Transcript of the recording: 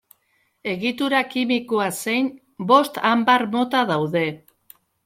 Egitura kimikoa zein, bost anbar mota daude.